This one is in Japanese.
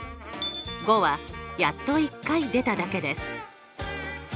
５はやっと１回出ただけです。